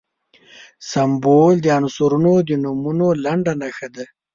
سمبول د عنصرونو د نومونو لنډه نښه ده.